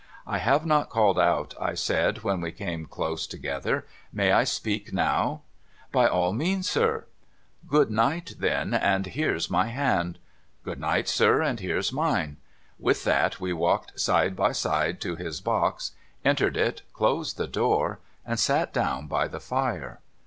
' I have not called out,' I said, when we came close together ;' may I speak now ?' 'By all means, sir.' ' Good night, then, and here's my hand.' ' Good night, sir, and here's mine.' With that we walked side by side to his box, entered it, closed the door, and sat down by the fire.